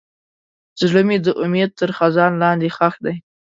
زړه مې د امید تر خزان لاندې ښخ دی.